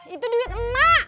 itu duit emak